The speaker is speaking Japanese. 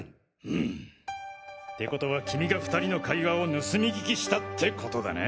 うむてことは君が２人の会話を盗み聞きしたってことだな。